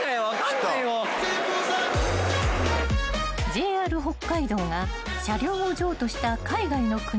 ［ＪＲ北海道が車両を譲渡した海外の国を答えるこの問題］